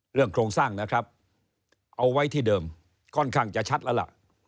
โครงสร้างนะครับเอาไว้ที่เดิมค่อนข้างจะชัดแล้วล่ะ